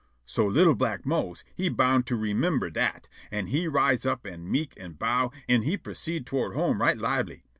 So li'l' black Mose he bound to remimber dat, an' he rise' up an' mek' a bow, an' he proceed' toward home right libely.